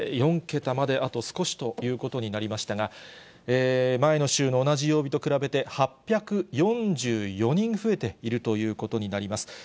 ４桁まであと少しということになりましたが、前の週の同じ曜日と比べて８４４人増えているということになります。